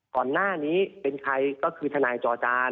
ก่อนหน้านี้เป็นใครก็คือทนายจอจาน